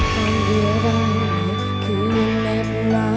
ตอนเดียวกันคืนเหน็ดเหล้า